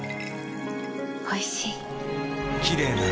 おいしい。